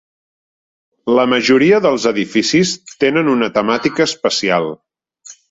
La majoria dels edificis tenen una temàtica especial.